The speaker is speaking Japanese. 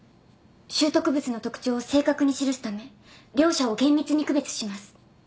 拾得物の特徴を正確に記すため両者を厳密に区別します。